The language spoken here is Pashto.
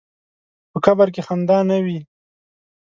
په قبر کې خندا نه وي.